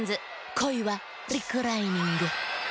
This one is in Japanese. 「こいはリクライニング」。